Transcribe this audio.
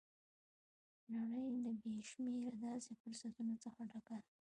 نړۍ له بې شمېره داسې فرصتونو څخه ډکه ده